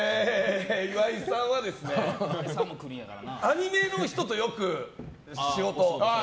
岩井さんはアニメの人とよく仕事を。